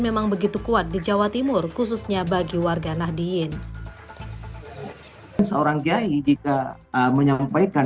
memang begitu kuat di jawa timur khususnya bagi warga nahdiyin seorang kiai jika menyampaikan